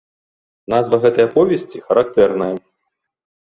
Назва гэтай аповесці характэрная.